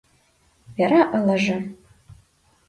— Вера ылыже.